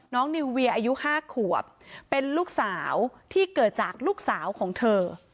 นิวเวียอายุ๕ขวบเป็นลูกสาวที่เกิดจากลูกสาวของเธอ